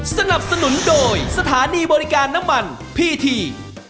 สนับสนุนโดยสถานีบริการน้ำมันพีที